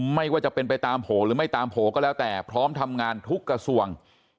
ไม่ว่าจะเป็นไปตามโผล่หรือไม่ตามโผล่ก็แล้วแต่พร้อมทำงานทุกกระทรวง